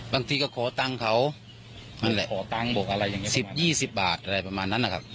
๑๐๒๐บาทอะไรประมาณนั้นอะครับ